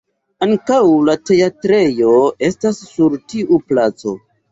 Ankaŭ la teatrejo estas sur tiu placo.